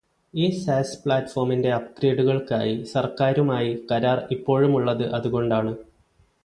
ഈ സാസ് പ്ലാറ്റ്ഫോമിന്റെ അപ്ഗ്രേഡുകൾക്കായി സർക്കാരുമായി കരാർ ഇപ്പോഴുമുള്ളത് അതുകൊണ്ടാണ്.